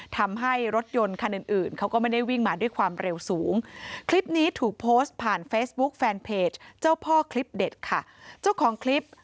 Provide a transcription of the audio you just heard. ทำให้รถยนต์คันอื่นเขาก็ไม่ได้วิ่งมาด้วยความเร็วสูง